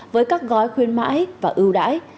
với các gói khuyên mãi và ưu đãi